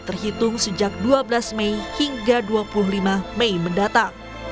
terhitung sejak dua belas mei hingga dua puluh lima mei mendatang